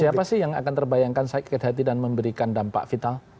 siapa sih yang akan terbayangkan sakit hati dan memberikan dampak vital